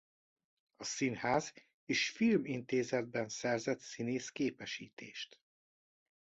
A Színház és Film Intézetben szerzett színész képesítést.